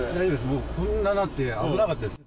もうこんなんなって、危なかったです。